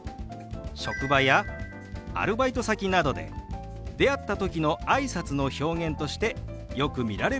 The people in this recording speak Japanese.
職場やアルバイト先などで出会った時のあいさつの表現としてよく見られるフレーズなんですよ。